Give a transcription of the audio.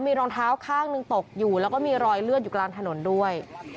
มีรองเท้าข้างหนึ่งตกอยู่แล้วก็มีรอยเลือดอยู่กลางถนนด้วย